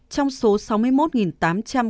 trong số sáu mươi một tám trăm linh cao